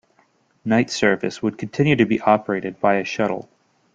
Night service would continue to be operated by a shuttle.